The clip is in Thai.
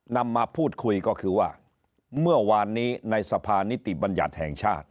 นำมาพูดคุยก็คือว่าเมื่อวานนี้ในสภานิติบัญญัติแห่งชาติ